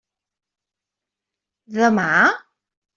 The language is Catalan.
Demà?